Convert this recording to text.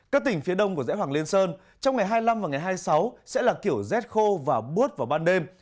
các tỉnh phía đông của dãy hoàng liên sơn trong ngày hai mươi năm và ngày hai mươi sáu sẽ là kiểu rét khô và bút vào ban đêm